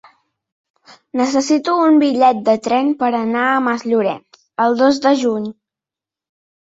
Necessito un bitllet de tren per anar a Masllorenç el dos de juny.